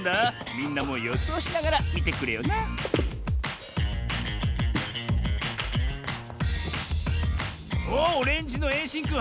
みんなもよそうしながらみてくれよなおっオレンジのえいしんくん